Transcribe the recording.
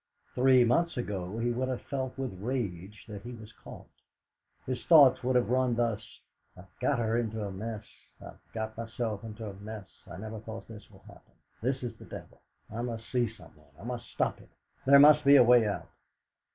Three months ago he would have felt with rage that he was caught. His thoughts would have run thus 'I have got her into a mess; I have got myself into a mess. I never thought this would happen. This is the devil! I must see someone I must stop it. There must be a way out.'